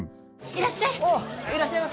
いらっしゃい。